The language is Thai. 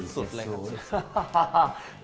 สุดเลยครับ